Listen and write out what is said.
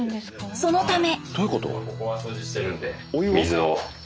そのため。